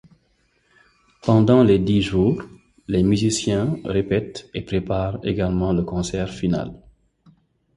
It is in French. Pendant les dix jours, les musiciens répètent et préparent également le concert final.